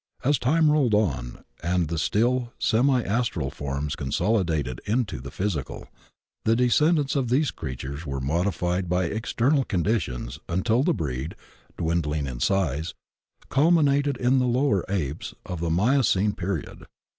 As time rolled on and the still semi astral forms consolidated into the physical, the descendants of these crea tures were modified by external conditions until the breed, dwindling in size, culminated in the lower Apes of the Miocene period.